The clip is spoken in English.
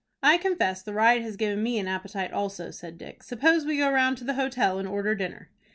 "I confess the ride has given me an appetite also," said Dick. "Suppose we go round to the hotel, and order dinner."